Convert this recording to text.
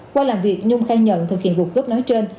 qua làm việc nhung khai nhận thực hiện vụ khức nói trên